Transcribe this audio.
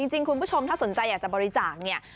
จริงคุณผู้ชมถ้าสนใจอยากจะบริจาคเนี่ย